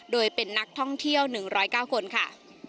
โดยเป็นนักท่องเที่ยว๑๐๙คนค่ะ